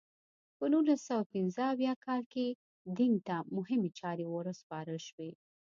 په نولس سوه پنځه اویا کال کې دینګ ته مهمې چارې ور وسپارل شوې.